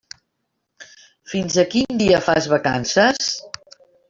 Fins a quin dia fas vacances?